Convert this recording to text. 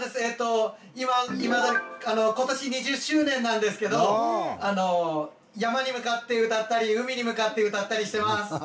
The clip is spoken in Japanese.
えと今今年２０周年なんですけど山に向かって歌ったり海に向かって歌ったりしてます。